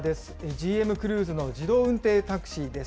ＧＭクルーズの自動運転タクシーです。